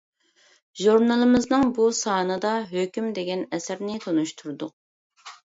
ژۇرنىلىمىزنىڭ بۇ سانىدا «ھۆكۈم» دېگەن ئەسەرنى تونۇشتۇردۇق.